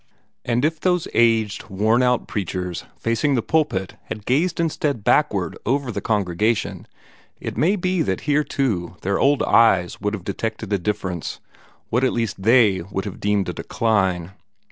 And if those aged, worn out preachers facing the pulpit had gazed instead backward over the congregation, it may be that here too their old eyes would have detected a difference what at least they would have deemed a decline.